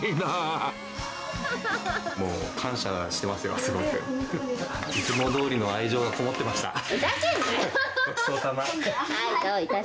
もう感謝してますよ、すごく。いつもどおりの愛情がこもってました。